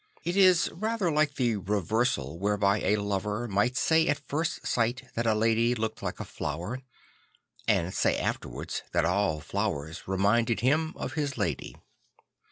It is rather like the reversal whereby a lover might say at first sight that a lady looked like a flower, and say afterwards that all flowers reminded him of his lady.